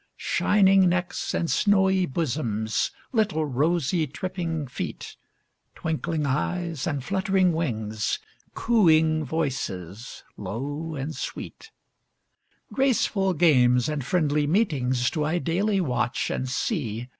Shining necks and snowy bosoms, Little rosy, tripping feet, Twinkling eyes and fluttering wings, Cooing voices, low and sweet, Graceful games and friendly meetings, Do I daily watch and see.